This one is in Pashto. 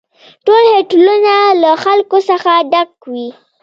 ټول هوټلونه له خلکو څخه ډک وي